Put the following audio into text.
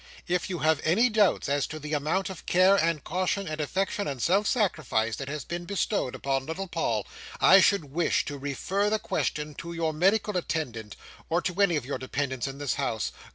If you have any doubt as to the amount of care, and caution, and affection, and self sacrifice, that has been bestowed upon little Paul, I should wish to refer the question to your medical attendant, or to any of your dependants in this house.